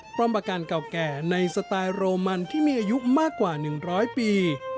พร้อมประการเก่าแก่ในสไตล์โรมันที่มีอายุมากกว่า๑๐๐ปี